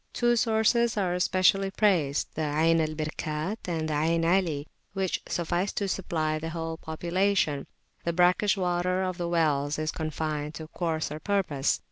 Two sources are especially praised, the Ayn al Birkat and the Ayn Ali, which suffice to supply the whole population: the brackish water of the wells is confined to coarser purposes.